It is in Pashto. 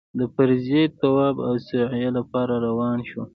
د فرضي طواف او سعيې لپاره راروان شوو.